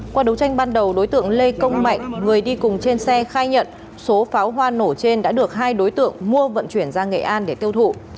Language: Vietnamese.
qua đấu tranh ban đầu đối tượng lê công mạnh người đi cùng trên xe khai nhận số pháo hoa nổ trên đã được hai đối tượng mua vận chuyển ra nghệ an để tiêu thụ